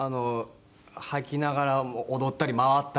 履きながら踊ったり回ったり。